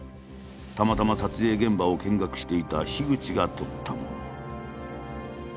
たまたま撮影現場を見学していた口が撮ったもの。